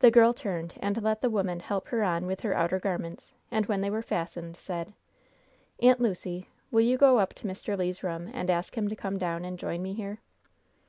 The girl turned, and let the woman help her on with her outer garments, and when they were fastened, said: "Aunt Lucy, will you go up to Mr. Le's room, and ask him to come down and join me here?"